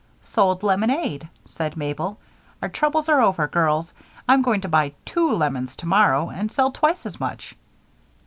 "Sold lemonade," said Mabel. "Our troubles are over, girls. I'm going to buy two lemons tomorrow and sell twice as much."